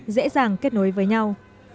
dễ dàng kết nối với nhau